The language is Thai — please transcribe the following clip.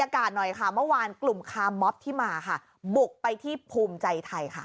อะไรที่ไม่เชื่อข้างสั่งนะครับอะไรที่เป็นความผิดตามกลุ่มหมายนะครับ